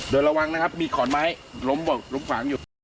เด้อระวังนะครับมีข่อนไม้ล้มถูกวารณ์อยู่